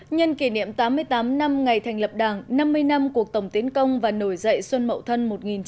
nhân kỷ niệm tám mươi tám năm ngày thành lập đảng năm mươi năm cuộc tổng tiến công và nổi dậy xuân mậu thân một nghìn chín trăm bảy mươi